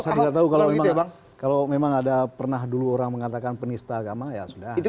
saya tidak tahu kalau memang ada pernah dulu orang mengatakan penista agama ya sudah